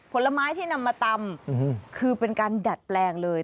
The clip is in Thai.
ผลไม้ที่นำมาตำคือเป็นการดัดแปลงเลย